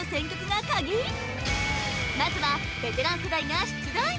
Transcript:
まずはベテラン世代が出題